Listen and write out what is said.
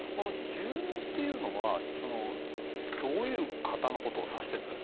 住人というのはどういう方のことを指しているんですか？